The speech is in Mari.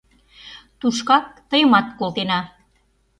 Тушкак тыйымат колтена.